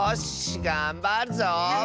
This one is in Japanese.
がんばるぞ！